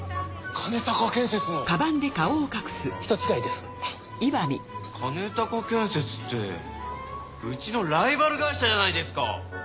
兼建設ってうちのライバル会社じゃないですか。